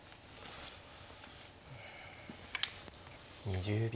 ２０秒。